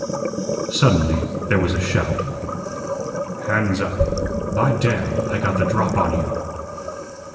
Suddenly there was a shout. "Hands up. By damn, I got the drop on you!"